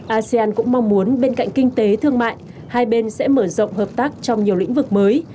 asean cũng mong muốn bên cạnh kinh tế thương mại hai bên sẽ mở rộng hợp tác trong nhiều lĩnh vực mới